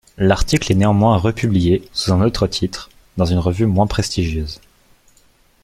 L'article est néanmoins re-publié, sous un autre titre, dans une revue moins prestigieuse.